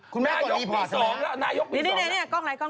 คุณแม่กดอีพอร์ไทยมั้ยนายกมี๒แล้วนายกมี๒แล้วนี่กล้องไหน